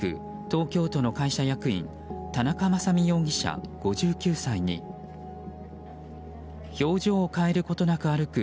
東京都の会社役員田中正美容疑者、５９歳に表情を変えることなく歩く